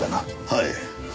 はい。